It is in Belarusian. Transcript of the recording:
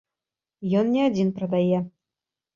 Ён не адзін прадае.